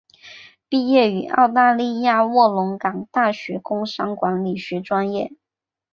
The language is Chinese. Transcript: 毕业于澳大利亚卧龙岗大学工商管理学专业。